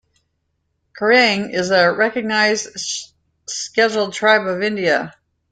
Koireng is a recognized scheduled tribe of India.